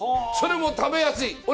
それも食べやすい。